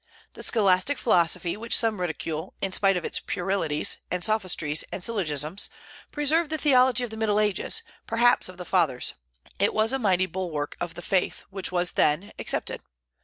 The scholastic philosophy which some ridicule, in spite of its puerilities and sophistries and syllogisms, preserved the theology of the Middle Ages, perhaps of the Fathers. It was a mighty bulwark of the faith which was then, accepted.